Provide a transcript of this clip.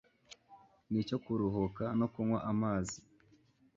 n’icyo kuruhuka, no kunywa amazi.